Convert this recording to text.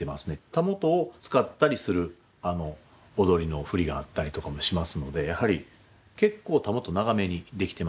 たもとを使ったりする踊りの振りがあったりとかもしますのでやはり結構たもと長めにできてますね。